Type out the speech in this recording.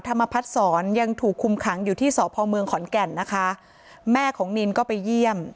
ธรรมพัฒนศรยังถูกคุมขังอยู่ที่สพเมืองขอนแก่นนะคะแม่ของนินก็ไปเยี่ยม